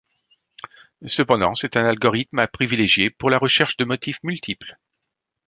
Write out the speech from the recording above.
Cependant, c’est un algorithme à privilégier pour la recherche de motifs multiples.